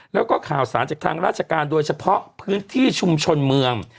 แล้วก็ข่าวสารจากทางราชการโดยเฉพาะพื้นที่ชุมชนเมือง